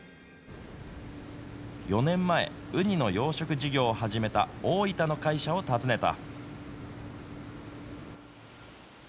４年前、ウニの養殖事業を始めた大分の会社を訪ねた。